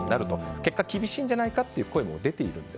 結果、厳しいんじゃないかという声も出ているんです。